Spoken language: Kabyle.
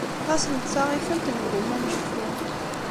Ɣas nettaɣ-itent neggumma ad necfu.